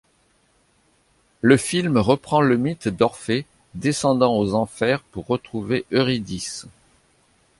Le film reprend le mythe d'Orphée descendant aux enfers pour retrouver Eurydice.